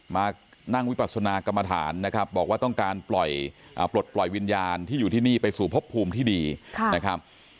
มานั่งวิปัสนากรรมฐานนะครับบอกว่าต้องการปลดปล่อยวิญญาณที่อยู่ที่นี่ไปสู่พบภูมิที่ดีนะครับ